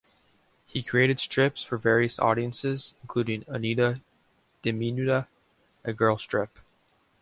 He created strips for various audiences, including "Anita Diminuta", a girl strip.